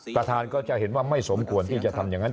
ประธานก็จะเห็นว่าไม่สมควรที่จะทำอย่างนั้น